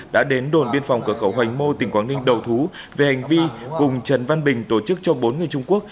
đã đến đồn biên phòng cửa khẩu hoành mô tỉnh quảng ninh đầu thú về hành vi cùng trần văn bình tổ chức cho bốn người trung quốc